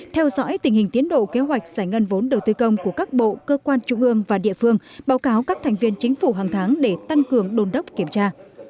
theo dõi tình hình tiến độ kế hoạch giải ngân vốn đầu tư công của các bộ cơ quan trung ương và địa phương báo cáo các thành viên chính phủ hàng tháng để tăng cường đồn đốc kiểm tra